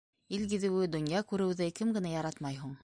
Ил гиҙеүҙе, донъя күреүҙе кем генә яратмай һуң?